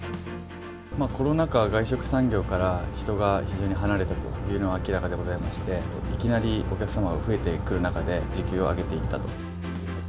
コロナ禍で外食産業から人が非常に離れたというのは明らかでございまして、いきなりお客様が増えてくる中で、時給を上げていったと。